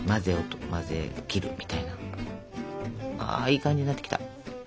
ああいい感じになってきた。